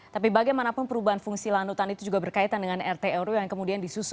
tapi bagaimanapun perubahan fungsi lahan hutan itu juga berkaitan dengan rtru yang kemudian disusun